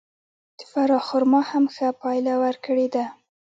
د فراه خرما هم ښه پایله ورکړې ده.